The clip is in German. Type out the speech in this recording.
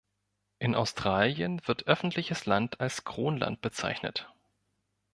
In Australien wird öffentliches Land als Kronland bezeichnet.